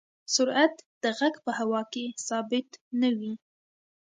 سرعت د غږ په هوا کې ثابت نه وي.